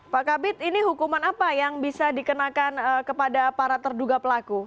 pak kabit ini hukuman apa yang bisa dikenakan kepada para terduga pelaku